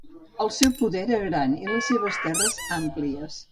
El seu poder era gran i les seves terres àmplies.